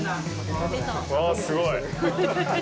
わあ、すごい。